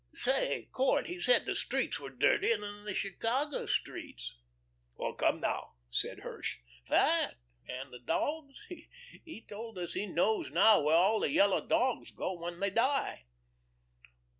Say, Court, he said the streets were dirtier than the Chicago streets." "Oh, come now," said Hirsch. "Fact! And the dogs! He told us he knows now where all the yellow dogs go to when they die."